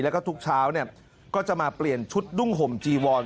แล้วก็ทุกเช้าก็จะมาเปลี่ยนชุดดุ้งห่มจีวอน